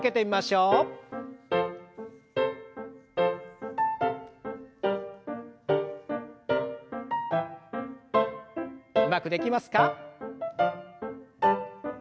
うまくできますか？